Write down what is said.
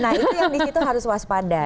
nah itu yang di situ harus waspada